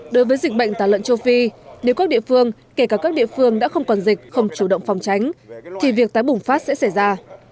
đối với dịch bệnh tà lợn châu phi nếu các địa phương kể cả các địa phương đã không còn dịch không chủ động phòng tránh thì việc tái bùng phát sẽ xảy ra